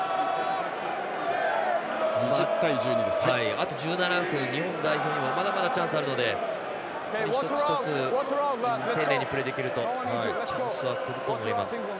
あと１７分、日本代表にもまだまだチャンスあるので一つ一つ丁寧にプレーできるとチャンスは来ると思います。